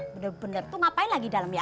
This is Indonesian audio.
bener bener tuh ngapain lagi di dalam ya